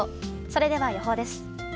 それでは予報です。